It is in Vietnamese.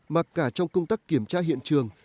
mà cả trong công tác kiểm tra hiện trường